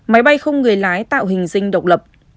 máy bay không gửi lái tạo hình sinh độc lập